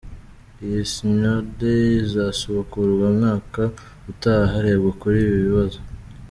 Iyi Synode izasubukurwa umwaka utaha harebwa kuri ibi bibazo.